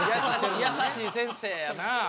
優しい先生やな。